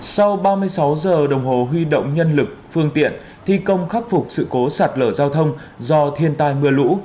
sau ba mươi sáu giờ đồng hồ huy động nhân lực phương tiện thi công khắc phục sự cố sạt lở giao thông do thiên tai mưa lũ